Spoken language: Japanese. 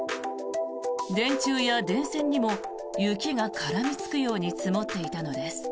電柱や電線にも雪が絡みつくように積もっていたのです。